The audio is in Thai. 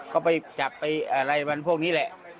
ก็ไปจับไปอะไรวันพวกนี้แหละ